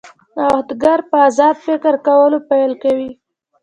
نوښتګر په ازاد فکر کولو پیل کوي.